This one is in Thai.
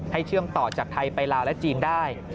เชื่อมต่อจากไทยไปลาวและจีนได้